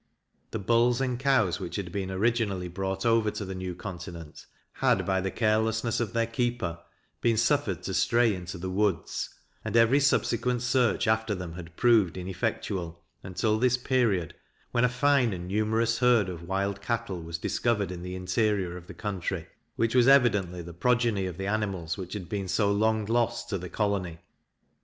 The bulls and cows which had been originally brought over to the new continent had, by the carelessness of their keeper, been suffered to stray into the woods, and every subsequent search after them had proved ineffectual until this period, when a fine and numerous herd of wild cattle was discovered in the interior of the country, which was evidently the progeny of the animals which had been so long lost to the colony.